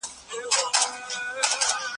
دوی به د هغې ښځي ټول بدن پټوي.